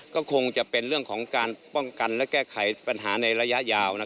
ก็คงจะเป็นเรื่องของการป้องกันและแก้ไขปัญหาในระยะยาว